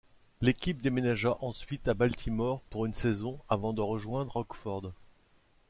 L'équipe déménagea ensuite à Baltimore pour une saison avant de rejoindre Rockford.